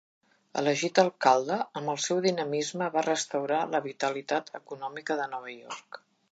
Elegit alcalde, amb el seu dinamisme va restaurar la vitalitat econòmica de Nova York.